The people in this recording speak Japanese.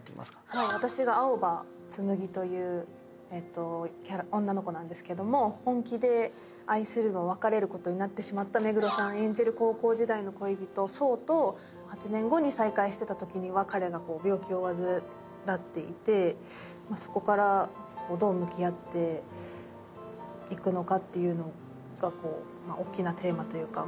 はい私が青羽紬という女の子なんですけども本気で愛するも別れることになってしまった目黒さん演じる高校時代の恋人想と８年後に再会してたときには彼が病気を患っていてまあそこからどう向き合っていくのかっていうのがおっきなテーマというか。